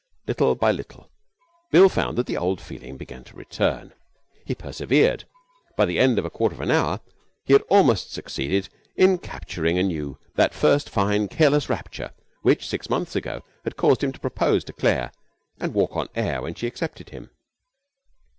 Little by little Bill found that the old feeling began to return. He persevered. By the end of a quarter of an hour he had almost succeeded in capturing anew that first fine careless rapture which, six months ago, had caused him to propose to Claire and walk on air when she accepted him.